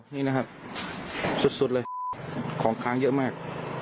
นี่นะครับสุดเลยของค้างเยอะมาก